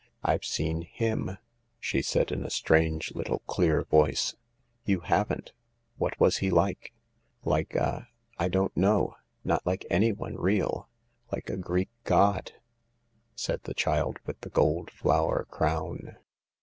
" I've seen him/' she said in a strange little clear voice, " You haven't ! What was he like ?" "Like a ... I don't know ... not like anyone real. Like a Greek god ..." said the child with the gold flower crown.